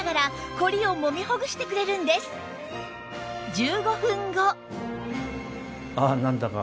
１５分後